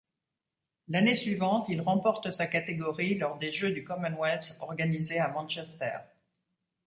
L'année suivante, il remporte sa catégorie lors des Jeux du Commonwealth organisés à Manchester.